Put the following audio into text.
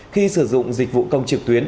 khi sử dụng dịch vụ công trực tuyến